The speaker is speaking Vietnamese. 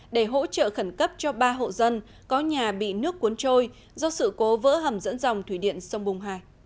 để hỗ trợ khẩn cấp cho ba hộ dân có nhà bị nước cuốn trôi do sự cố vỡ hầm dẫn dòng thủy điện sông bùng hai